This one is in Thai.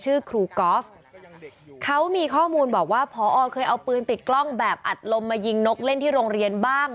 เอาปืนติดกล้องแบบอัดลมมายิงนกเล่นที่โรงเรียนบ้าง